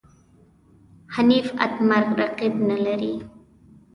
حنیف اتمر رقیب نه لري.